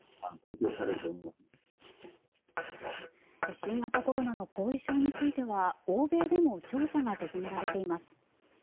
新型コロナの後遺症については欧米でも調査が進められています。